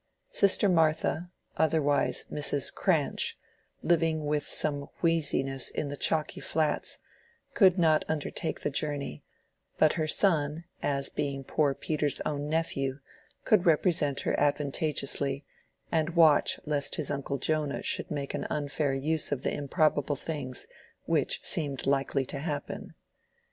Sister Martha, otherwise Mrs. Cranch, living with some wheeziness in the Chalky Flats, could not undertake the journey; but her son, as being poor Peter's own nephew, could represent her advantageously, and watch lest his uncle Jonah should make an unfair use of the improbable things which seemed likely to happen.